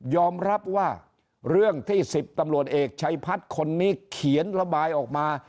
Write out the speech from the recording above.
รับว่าเรื่องที่๑๐ตำรวจเอกชัยพัฒน์คนนี้เขียนระบายออกมา